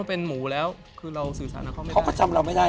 เป็นหมูแล้วคือเราสื่อสารกับเขาไม่ได้